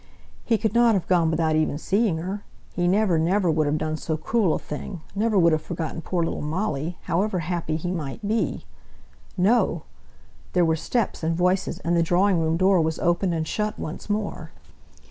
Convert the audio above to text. He could not have gone without even seeing her. He never, never would have done so cruel a thing never would have forgotten poor little Molly, however happy he might be! No! there were steps and voices, and the drawing room door was opened and shut once more.